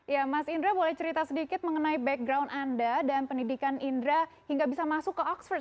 ya mas indra boleh cerita sedikit mengenai background anda dan pendidikan indra hingga bisa masuk ke oxford